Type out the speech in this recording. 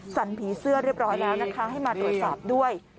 ผีเสื้อเรียบร้อยแล้วนะคะให้มาตรวจสอบด้วย